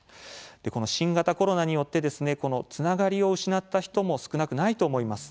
新型コロナによって、つながりを失った人も少なくないと思います。